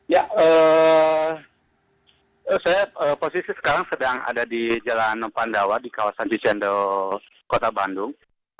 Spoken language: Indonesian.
ya saya posisi sekarang sedang ada di jalan nopandawa di kawasan cicendo kota bandung